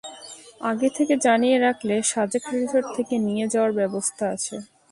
আগে থেকে জানিয়ে রাখলে, সাজেক রিসোর্ট থেকে নিয়ে যাওয়ার ব্যবস্থা আছে।